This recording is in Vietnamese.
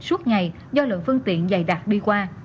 suốt ngày do lượng phương tiện dày đặc đi qua